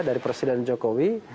dari presiden jokowi